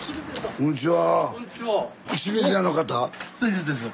こんにちは。